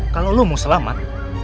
kalau lu mau selamat